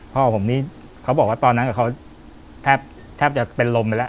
พ่อผมนี่เขาบอกว่าตอนนั้นเขาแทบจะเป็นลมไปแล้ว